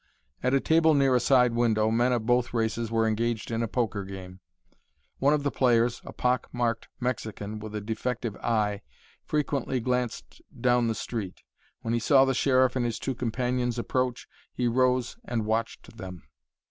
At a table near a side window men of both races were engaged in a poker game. One of the players, a pock marked Mexican with a defective eye, frequently glanced down the street. When he saw the Sheriff and his two companions approach, he rose and watched them.